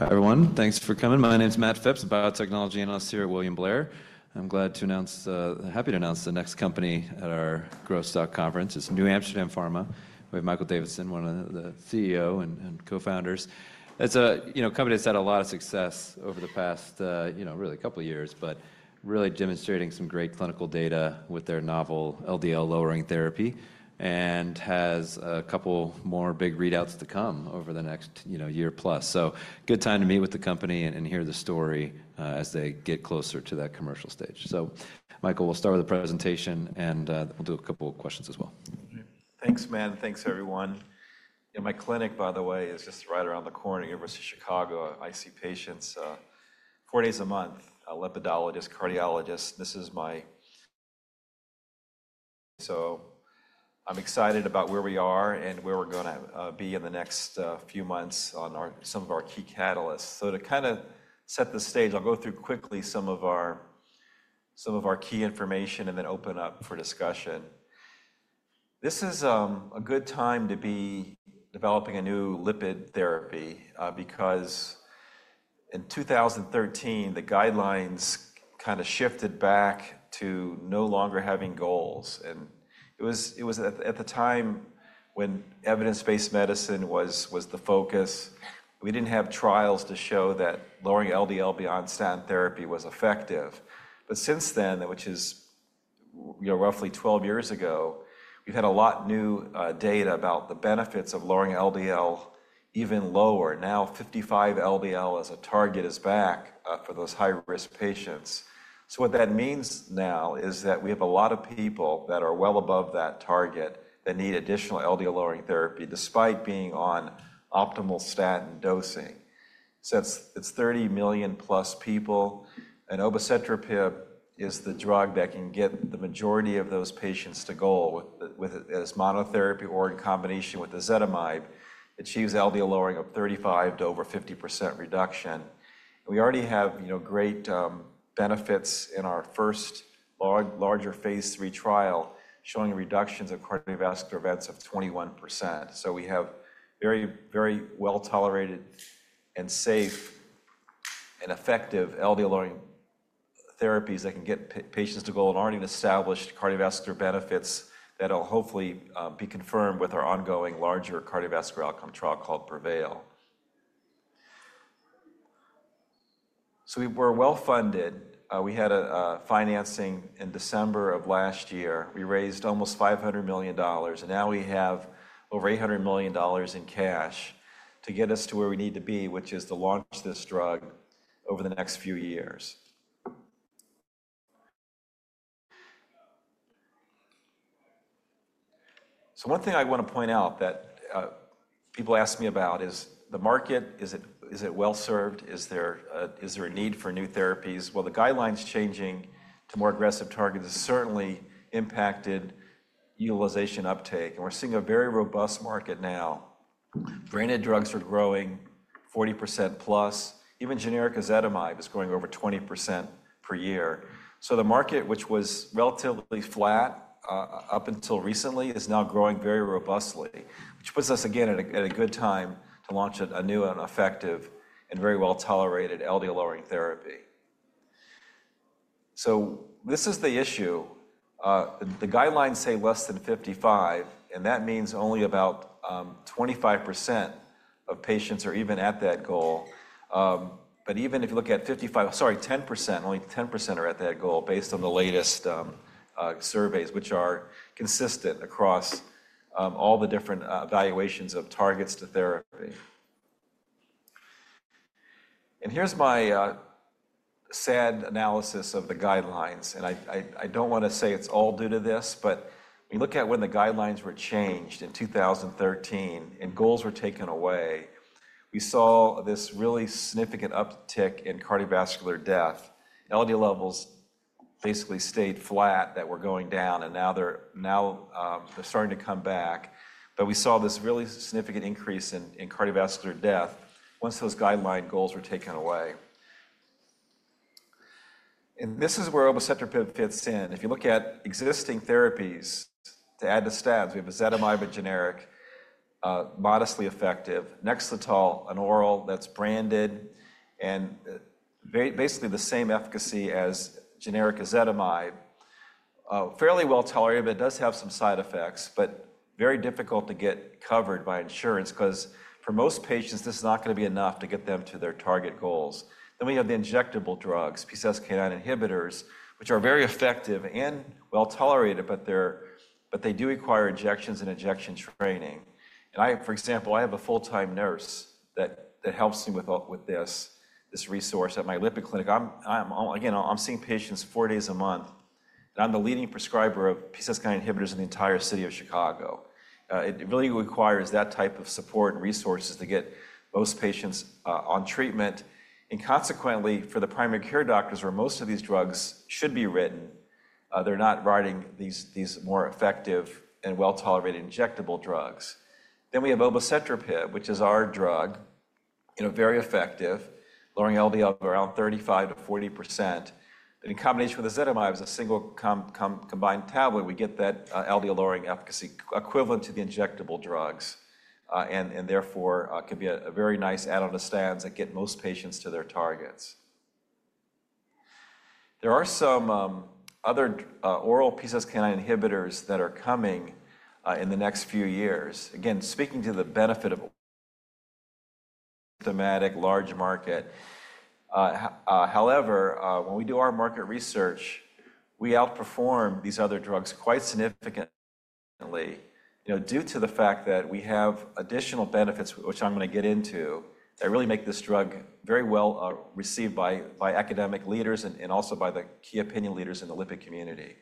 Hi, everyone. Thanks for coming. My name is Matt Phipps, Biotechnology and Austere William Blair. I'm glad to announce, happy to announce the next company at our Growth Stock Conference. It's NewAmsterdam Pharma. We have Michael Davidson, one of the CEO and co-founders. It's a company that's had a lot of success over the past, you know, really a couple of years, but really demonstrating some great clinical data with their novel LDL-lowering therapy and has a couple more big readouts to come over the next year plus. Good time to meet with the company and hear the story as they get closer to that commercial stage. Michael, we'll start with the presentation and we'll do a couple of questions as well. Thanks, man. Thanks, everyone. My clinic, by the way, is just right around the corner at the University of Chicago. I see patients four days a month, a Lipidologist, Cardiologist. This is my... So I'm excited about where we are and where we're going to be in the next few months on some of our key catalysts. To kind of set the stage, I'll go through quickly some of our key information and then open up for discussion. This is a good time to be developing a new Lipid Therapy because in 2013, the guidelines kind of shifted back to no longer having goals. It was at the time when Evidence-based medicine was the focus. We didn't have trials to show that lowering LDL beyond Statin therapy was effective. Since then, which is roughly 12 years ago, we've had a lot of new data about the benefits of lowering LDL even lower. Now, 55 LDL as a target is back for those high-risk patients. What that means now is that we have a lot of people that are well above that target that need additional LDL-lowering therapy despite being on optimal Statin dosing. It's 30 million plus people. Obicetrapib is the drug that can get the majority of those patients to goal with monotherapy or in combination with Ezetimibe. It achieves LDL lowering of 35%-over 50% reduction. We already have great benefits in our first larger Phase 3 trial showing reductions of Cardiovascular events of 21%. We have very, very well-tolerated and safe and effective LDL-lowering therapies that can get patients to goal and already established Cardiovascular benefits that will hopefully be confirmed with our ongoing larger Cardiovascular outcome trial called PREVAIL. We were well-funded. We had financing in December of last year. We raised almost $500 million. Now we have over $800 million in cash to get us to where we need to be, which is to launch this drug over the next few years. One thing I want to point out that people ask me about is the market, is it well-served? Is there a need for new therapies? The guidelines changing to more aggressive targets has certainly impacted utilization uptake. We are seeing a very robust market now. Branded drugs are growing 40% plus. Even generic Ezetimibe is growing over 20% per year. The market, which was relatively flat up until recently, is now growing very robustly, which puts us again at a good time to launch a new and effective and very well-tolerated LDL-lowering therapy. This is the issue. The guidelines say less than 55, and that means only about 25% of patients are even at that goal. Even if you look at 55, sorry, 10%, only 10% are at that goal based on the latest surveys, which are consistent across all the different evaluations of targets to therapy. Here's my sad analysis of the guidelines. I do not want to say it is all due to this, but when you look at when the guidelines were changed in 2013 and goals were taken away, we saw this really significant uptick in Cardiovascular death. LDL levels basically stayed flat that were going down, and now they're starting to come back. We saw this really significant increase in Cardiovascular death once those guideline goals were taken away. This is where Obicetrapib fits in. If you look at existing therapies to add to Statins, we have Ezetimibe generic, modestly effective, Nexletol, an oral that's branded and basically the same efficacy as generic Ezetimibe, fairly well tolerated, but it does have some side effects, but very difficult to get covered by insurance because for most patients, this is not going to be enough to get them to their target goals. We have the injectable drugs, PCSK9 inhibitors, which are very effective and well tolerated, but they do require injections and injection training. I, for example, I have a full-time nurse that helps me with this resource at my lipid clinic. Again, I'm seeing patients four days a month. I'm the leading prescriber of PCSK9 inhibitors in the entire city of Chicago. It really requires that type of support and resources to get most patients on treatment. Consequently, for the primary care doctors where most of these drugs should be written, they're not writing these more effective and well-tolerated injectable drugs. We have Obicetrapib, which is our drug, very effective, lowering LDL of around 35-40%. In combination with Ezetimibe as a single combined tablet, we get that LDL-lowering efficacy equivalent to the injectable drugs and therefore can be a very nice add-on to Statins that get most patients to their targets. There are some other oral PCSK9 inhibitors that are coming in the next few years. Again, speaking to the benefit of a systematic large market. However, when we do our market research, we outperform these other drugs quite significantly due to the fact that we have additional benefits, which I'm going to get into, that really make this drug very well received by academic leaders and also by the key opinion leaders in the lipid community.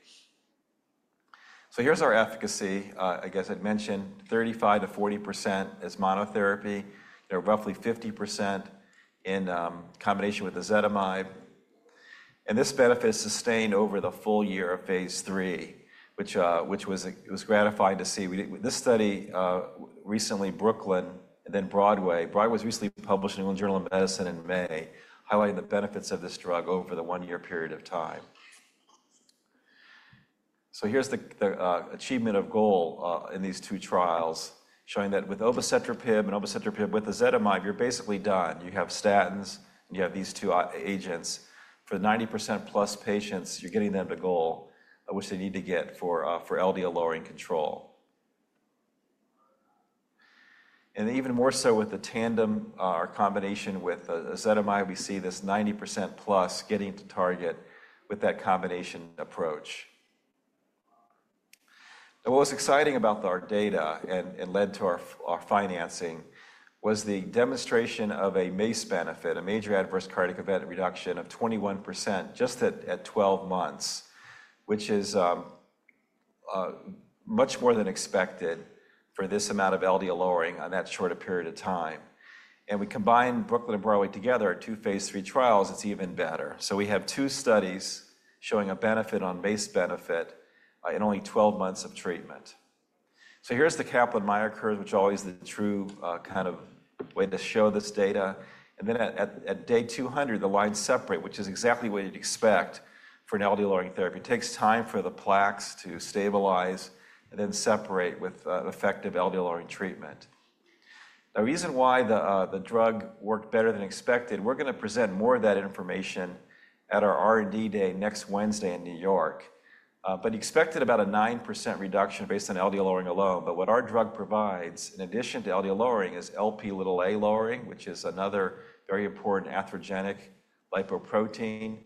Here's our efficacy. I guess I'd mentioned 35-40% as monotherapy, roughly 50% in combination with Ezetimibe. And this benefit sustained over the full year of phase 3, which was gratifying to see. This study recently, BROOKLYN and then BROADWAY, BROADWAY was recently published in the New England Journal of Medicine in May, highlighting the benefits of this drug over the one-year period of time. Here's the achievement of goal in these two trials showing that with Obicetrapib and Obicetrapib with Ezetimibe, you're basically done. You have Statins, and you have these two agents. For the 90% plus patients, you're getting them to goal, which they need to get for LDL-lowering control. Even more so with the tandem or combination with Ezetimibe, we see this 90% plus getting to target with that combination approach. What was exciting about our data and led to our financing was the demonstration of a MACE benefit, a major adverse cardiac event reduction of 21% just at 12 months, which is much more than expected for this amount of LDL lowering on that short period of time. We combined BROOKLYN and BROADWAY together in two phase 3 trials, it's even better. We have two studies showing a benefit on MACE benefit in only 12 months of treatment. Here is the Kaplan-Meier curve, which always is the true kind of way to show this data. At day 200, the lines separate, which is exactly what you'd expect for an LDL-lowering therapy. It takes time for the plaques to stabilize and then separate with effective LDL-lowering treatment. The reason why the drug worked better than expected, we're going to present more of that information at our R&D day next Wednesday in New York. Expected about a 9% reduction based on LDL lowering alone. What our drug provides, in addition to LDL lowering, is Lp(a) lowering, which is another very important atherogenic lipoprotein. It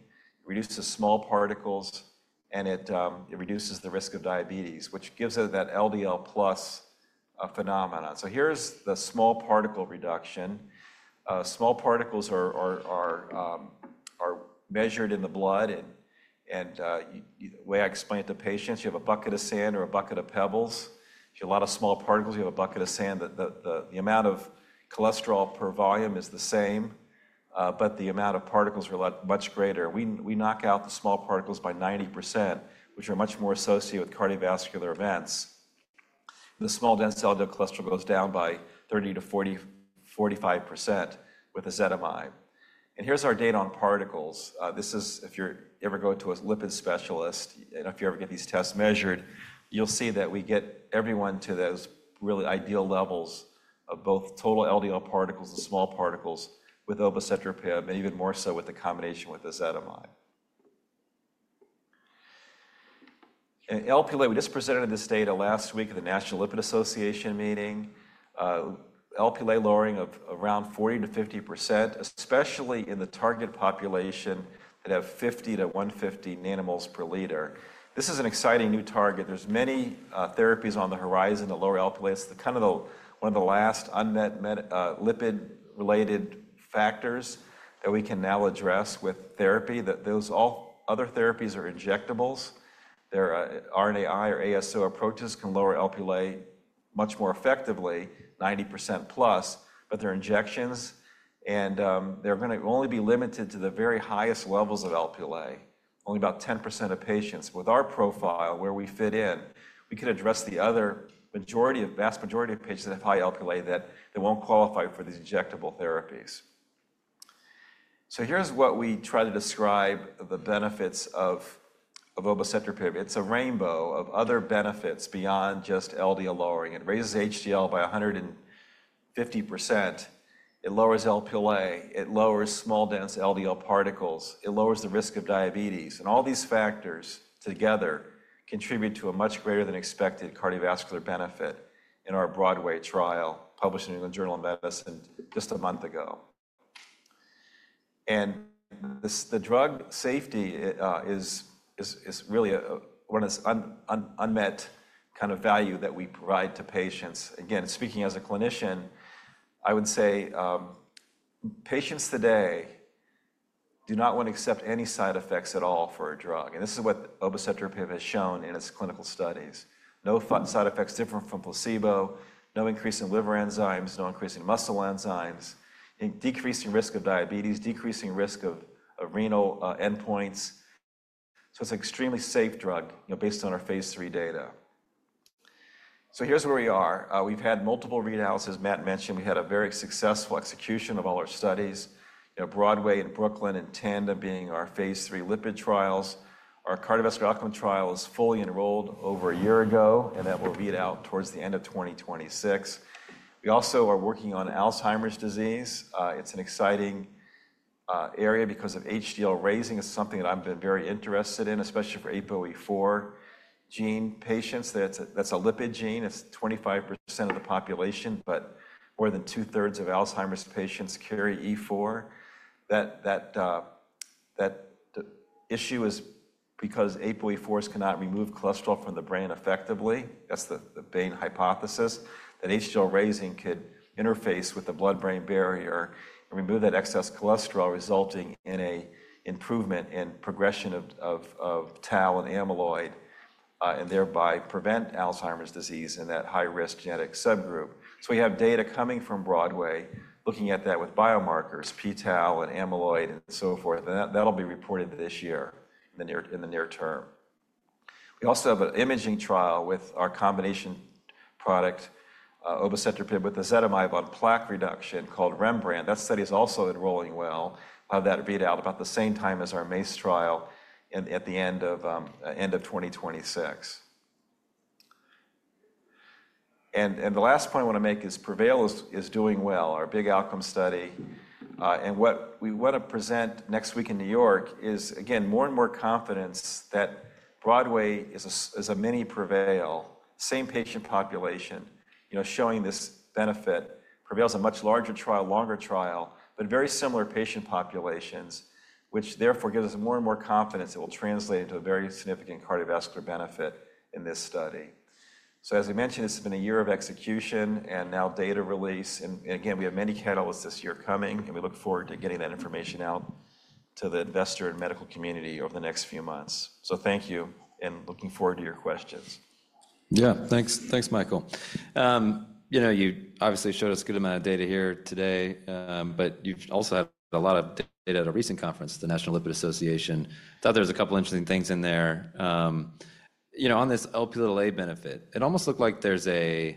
reduces small particles, and it reduces the risk of diabetes, which gives us that LDL plus phenomenon. Here's the small particle reduction. Small particles are measured in the blood. The way I explain it to patients, you have a bucket of sand or a bucket of pebbles. If you have a lot of small particles, you have a bucket of sand. The amount of cholesterol per volume is the same, but the amount of particles are much greater. We knock out the small particles by 90%, which are much more associated with Cardiovascular events. The small dense LDL cholesterol goes down by 30-45% with Ezetimibe. Here is our data on particles. This is if you're ever going to a lipid specialist, and if you ever get these tests measured, you'll see that we get everyone to those really ideal levels of both total LDL particles and small particles with Obicetrapib, and even more so with the combination with Ezetimibe. Lp(a), we just presented this data last week at the National Lipid Association meeting. Lp(a) lowering of around 40-50%, especially in the target population that have 50-150 nanomoles per liter. This is an exciting new target. There's many therapies on the horizon to lower Lp(a). It's kind of one of the last unmet lipid-related factors that we can now address with therapy. Those other therapies are injectables. Their RNAi or ASO approaches can lower Lp(a) much more effectively, 90% plus, but they're injections. They're going to only be limited to the very highest levels of Lp(a), only about 10% of patients. With our profile, where we fit in, we can address the other vast majority of patients that have high Lp(a) that won't qualify for these injectable therapies. Here's what we try to describe the benefits of Obicetrapib. It's a rainbow of other benefits beyond just LDL lowering. It raises HDL by 150%. It lowers Lp(a). It lowers small dense LDL particles. It lowers the risk of diabetes. All these factors together contribute to a much greater than expected Cardiovascular benefit in our BROADWAY trial published in the New England Journal of Medicine just a month ago. The drug safety is really one of the unmet kind of value that we provide to patients. Again, speaking as a clinician, I would say patients today do not want to accept any side effects at all for a drug. This is what Obicetrapib has shown in its clinical studies. No side effects different from placebo, no increase in liver enzymes, no increase in muscle enzymes, decreasing risk of diabetes, decreasing risk of renal endpoints. It is an extremely safe drug based on our phase 3 data. Here is where we are. We have had multiple read-outs, as Matt mentioned. We had a very successful execution of all our studies. Broadway and Brooklyn in tandem being our phase 3 lipid trials. Our Cardiovascular outcome trial is fully enrolled over a year ago, and that will read out towards the end of 2026. We also are working on Alzheimer's disease. It's an exciting area because of HDL raising. It's something that I've been very interested in, especially for APOE4 gene patients. That's a lipid gene. It's 25% of the population, but more than two-thirds of Alzheimer's patients carry E4. That issue is because APOE4s cannot remove cholesterol from the brain effectively. That's the Bain hypothesis, that HDL raising could interface with the blood-brain barrier and remove that excess cholesterol, resulting in an improvement in progression of TAL and amyloid and thereby prevent Alzheimer's disease in that high-risk genetic subgroup. We have data coming from Broadway looking at that with biomarkers, PTAL and amyloid and so forth. That'll be reported this year in the near term. We also have an imaging trial with our combination product, Obicetrapib with Ezetimibe on plaque reduction called REMBRANDT. That study is also enrolling well. I'll have that read out about the same time as our MACE trial at the end of 2026. The last point I want to make is PREVAIL is doing well, our big outcome study. What we want to present next week in New York is, again, more and more confidence that BROADWAY is a mini PREVAIL, same patient population, showing this benefit. PREVAIL is a much larger trial, longer trial, but very similar patient populations, which therefore gives us more and more confidence it will translate into a very significant Cardiovascular benefit in this study. As I mentioned, it's been a year of execution and now data release. We have many catalysts this year coming, and we look forward to getting that information out to the investor and medical community over the next few months. Thank you, and looking forward to your questions. Yeah, thanks, Michael. You obviously showed us a good amount of data here today, but you've also had a lot of data at a recent conference at the National Lipid Association. I thought there were a couple of interesting things in there. On this Lp(a) benefit, it almost looked like there's an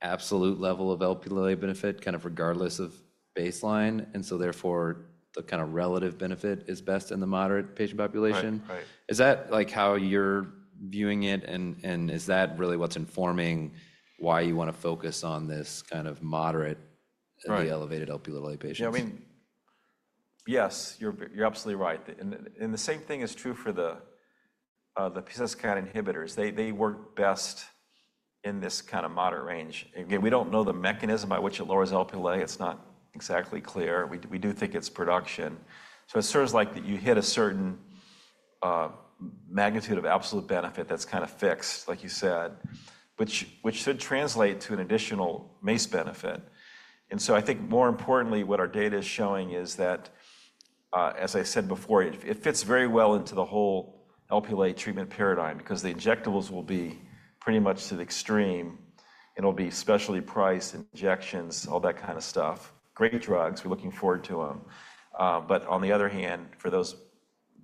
absolute level of Lp(a) benefit kind of regardless of baseline. Therefore, the kind of relative benefit is best in the moderate patient population. Is that how you're viewing it? Is that really what's informing why you want to focus on this kind of moderate and the elevated Lp(a) patients? Yeah, I mean, yes, you're absolutely right. The same thing is true for the PCSK9 inhibitors. They work best in this kind of moderate range. Again, we do not know the mechanism by which it lowers Lp(a). It is not exactly clear. We do think it is production. It serves like you hit a certain magnitude of absolute benefit that is kind of fixed, like you said, which should translate to an additional MACE benefit. I think more importantly, what our data is showing is that, as I said before, it fits very well into the whole Lp(a) treatment paradigm because the Injectables will be pretty much to the extreme. It will be specially priced injections, all that kind of stuff. Great drugs. We are looking forward to them. On the other hand, for those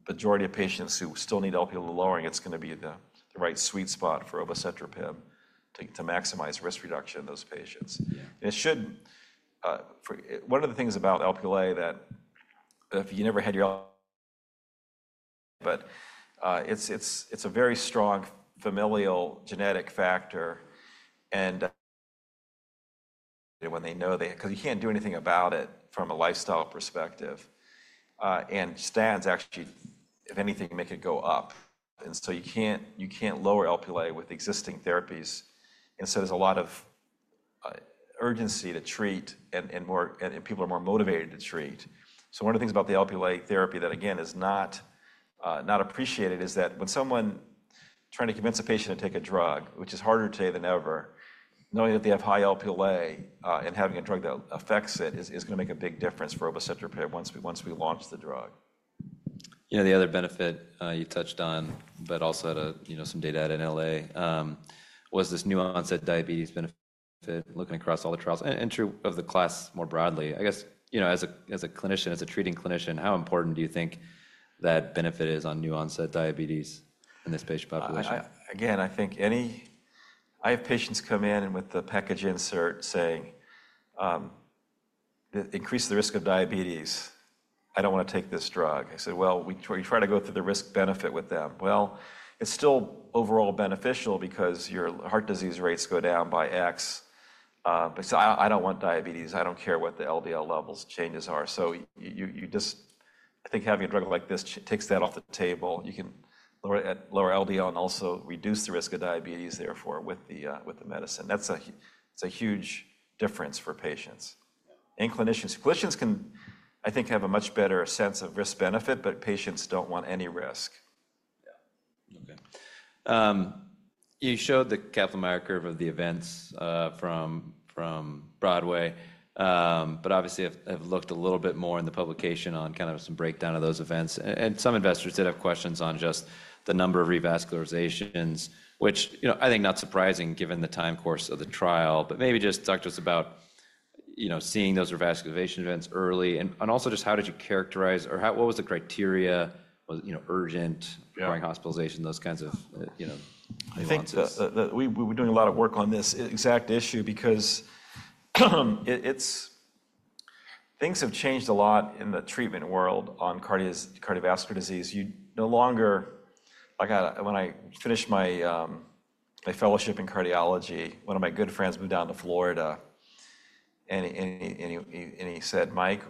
majority of patients who still need Lp(a) lowering, it's going to be the right sweet spot for Obicetrapib to maximize risk reduction in those patients. It should, one of the things about Lp(a) is that if you never had your Lp(a), but it's a very strong familial genetic factor. When they know, because you can't do anything about it from a lifestyle perspective. Statins, actually, if anything, make it go up. You can't lower Lp(a) with existing therapies. There's a lot of urgency to treat, and people are more motivated to treat. One of the things about the Lp(a) therapy that, again, is not appreciated is that when someone is trying to convince a patient to take a drug, which is harder today than ever, knowing that they have high Lp(a) and having a drug that affects it is going to make a big difference for Obicetrapib once we launch the drug. Yeah, the other benefit you touched on, but also some data out in LA was this new onset diabetes benefit looking across all the trials and true of the class more broadly. I guess as a clinician, as a treating clinician, how important do you think that benefit is on new onset diabetes in this patient population? Again, I think any I have patients come in with the package insert saying, "It increases the risk of diabetes. I don't want to take this drug." I said, "We try to go through the Risk-benefit with them." It is still overall beneficial because your heart disease rates go down by X. But I don't want diabetes. I don't care what the LDL levels changes are. I think having a drug like this takes that off the table. You can lower LDL and also reduce the risk of diabetes, therefore, with the medicine. That is a huge difference for patients and clinicians. Clinicians can, I think, have a much better sense of Risk-benefit, but patients don't want any risk. Yeah. Okay. You showed the Kaplan-Meier curve of the events from BROADWAY, but obviously have looked a little bit more in the publication on kind of some breakdown of those events. Some investors did have questions on just the number of revascularizations, which I think is not surprising given the time course of the trial, but maybe just talk to us about seeing those revascularization events early. Also, just how did you characterize or what was the criteria? Was it urgent requiring hospitalization, those kinds of things? I think we're doing a lot of work on this exact issue because things have changed a lot in the treatment world on Cardiovascular disease. You no longer, when I finished my fellowship in cardiology, one of my good friends moved down to Florida. He said, "Mike,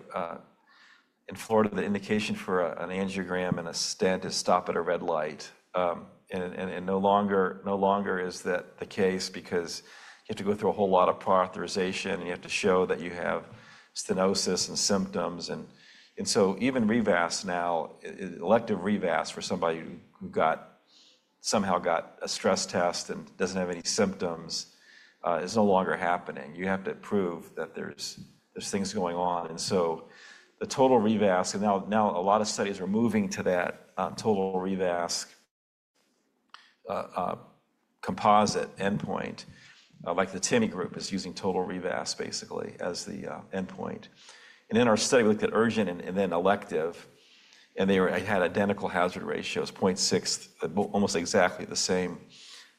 in Florida, the indication for an angiogram and a stent is stop at a red light." No longer is that the case because you have to go through a whole lot of prior authorization, and you have to show that you have stenosis and symptoms. Even revas now, elective revas for somebody who somehow got a stress test and does not have any symptoms is no longer happening. You have to prove that there are things going on. The total revas, and now a lot of studies are moving to that total revas composite endpoint. The TIMI group is using total revas basically as the endpoint. In our study, we looked at urgent and then elective. They had identical hazard ratios, 0.6, almost exactly the same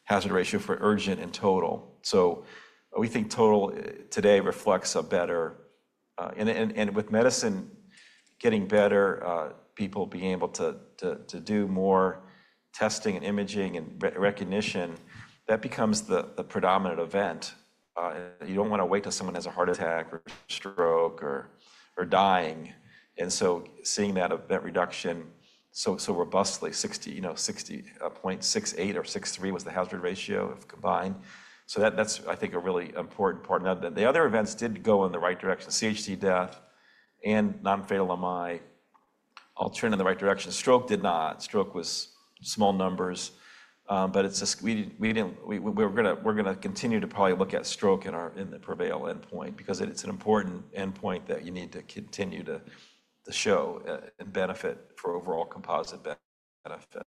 hazard ratio for urgent and total. We think total today reflects a better and with medicine getting better, people being able to do more testing and imaging and recognition, that becomes the predominant event. You do not want to wait till someone has a heart attack or stroke or dying. Seeing that event reduction so robustly, 60.68 or 63 was the hazard ratio combined. That is, I think, a really important part. The other events did go in the right direction. CHD death and non-fatal MI all turned in the right direction. Stroke did not. Stroke was small numbers. We are going to continue to probably look at stroke in the Prevail endpoint because it is an important endpoint that you need to continue to show and benefit for overall composite benefit.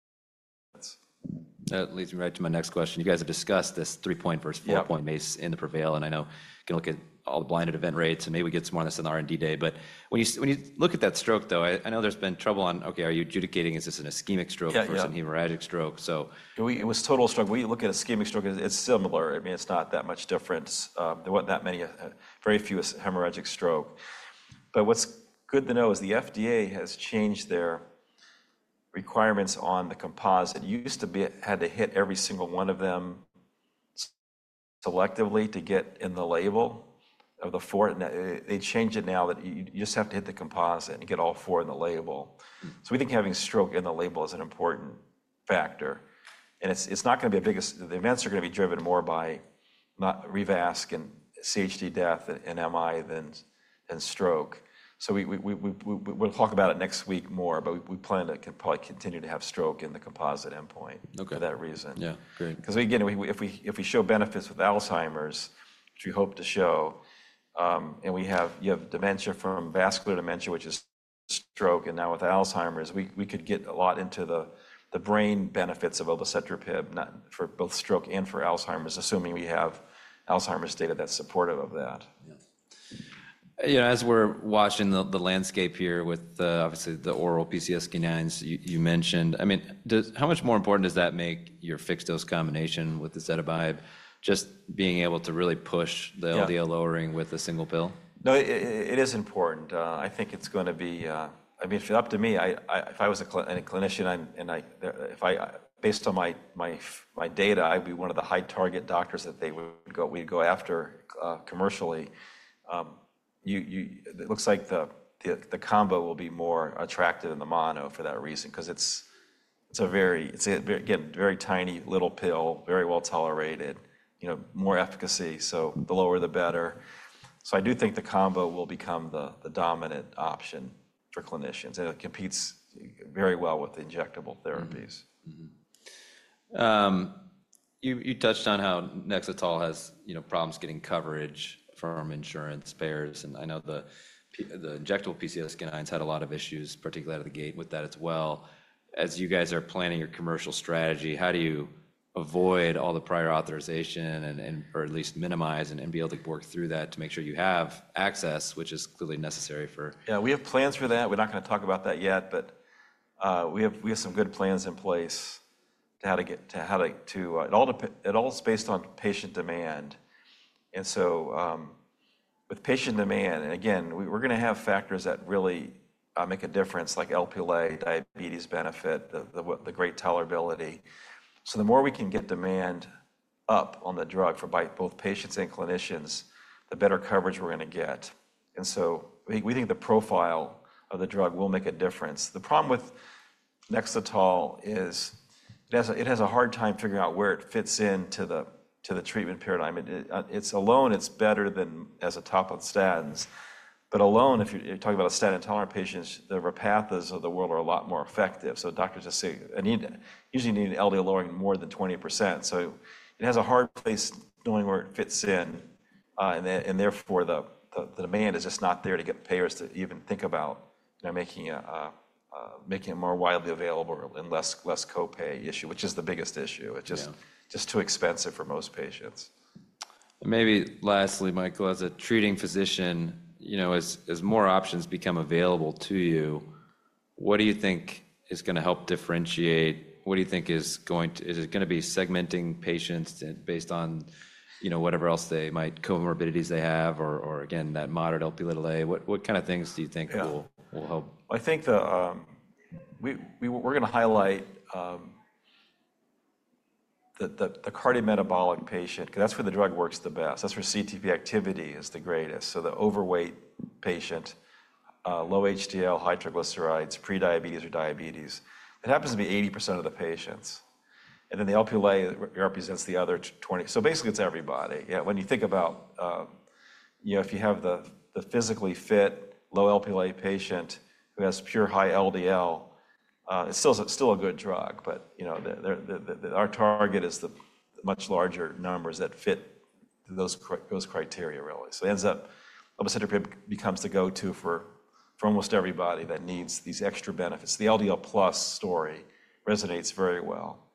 That leads me right to my next question. You guys have discussed this three-point versus four-point MACE in the Prevail. I know you can look at all the blinded event rates. Maybe we get some more on this in the R&D day. When you look at that stroke, though, I know there's been trouble on, okay, are you adjudicating? Is this an ischemic stroke versus a hemorrhagic stroke? It was total stroke. When you look at ischemic stroke, it's similar. I mean, it's not that much difference. There weren't that many, very few hemorrhagic stroke. What's good to know is the FDA has changed their requirements on the composite. It used to have to hit every single one of them selectively to get in the label of the four. They changed it now that you just have to hit the composite and get all four in the label. We think having stroke in the label is an important factor. It is not going to be a big, the events are going to be driven more by revas and CHD death and MI than stroke. We will talk about it next week more, but we plan to probably continue to have stroke in the composite endpoint for that reason. Yeah, great. Because again, if we show benefits with Alzheimer's, which we hope to show, and you have dementia from vascular dementia, which is stroke, and now with Alzheimer's, we could get a lot into the brain benefits of Obicetrapib for both stroke and for Alzheimer's, assuming we have Alzheimer's data that is supportive of that. As we are watching the landscape here with obviously the oral PCSK9s you mentioned, I mean, how much more important does that make your fixed-dose combination with Ezetimibe, just being able to really push the LDL lowering with a single pill? No, it is important. I think it's going to be, I mean, it's up to me. If I was a clinician, based on my data, I'd be one of the high-target doctors that we'd go after commercially. It looks like the combo will be more attractive than the mono for that reason because it's a very, again, very tiny little pill, very well tolerated, more efficacy. The lower, the better. I do think the combo will become the dominant option for clinicians. It competes very well with injectable therapies. You touched on how Nexletol has problems getting coverage from insurance payers. I know the injectable PCSK9s had a lot of issues, particularly out of the gate with that as well. As you guys are planning your commercial strategy, how do you avoid all the prior authorization and at least minimize and be able to work through that to make sure you have access, which is clearly necessary for? Yeah, we have plans for that. We're not going to talk about that yet, but we have some good plans in place to how to get to it all's based on patient demand. And so with patient demand, and again, we're going to have factors that really make a difference, like Lp(a) diabetes benefit, the great tolerability. The more we can get demand up on the drug for both patients and clinicians, the better coverage we're going to get. We think the profile of the drug will make a difference. The problem with Nexletol is it has a hard time figuring out where it fits into the treatment paradigm. It's alone, it's better than as a top of the Statins. But alone, if you're talking about a Statin-tolerant patient, the Repatha's of the world are a lot more effective. Doctors just say, "I need usually need an LDL lowering more than 20%." It has a hard place knowing where it fits in. Therefore, the demand is just not there to get payers to even think about making it more widely available and less copay issue, which is the biggest issue. It's just too expensive for most patients. Maybe lastly, Michael, as a treating physician, as more options become available to you, what do you think is going to help differentiate? What do you think is going to be segmenting patients based on whatever else they might comorbidities they have or, again, that moderate Lp(a)? What kind of things do you think will help? I think we're going to highlight the Cardiometabolic patient because that's where the drug works the best. That's where CETP activity is the greatest. So the overweight patient, low HDL, high triglycerides, prediabetes or diabetes. It happens to be 80% of the patients. And then the Lp(a) represents the other 20%. So basically, it's everybody. When you think about if you have the physically fit, low Lp(a) patient who has pure high LDL, it's still a good drug. But our target is the much larger numbers that fit those criteria, really. It ends up Obicetrapib becomes the go-to for almost everybody that needs these extra benefits. The LDL plus story resonates very well.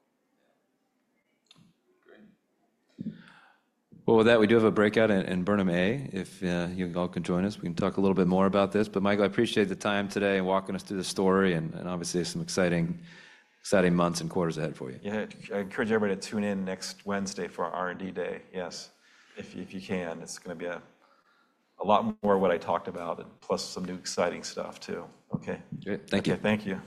Great. With that, we do have a breakout in Burnham A, if you all can join us. We can talk a little bit more about this. Michael, I appreciate the time today and walking us through the story. Obviously, there are some exciting months and quarters ahead for you. I encourage everybody to tune in next Wednesday for R&D Day. Yes, if you can. It is going to be a lot more of what I talked about, plus some new exciting stuff too. Okay. Great. Thank you. Thank you.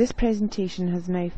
This presentation has now.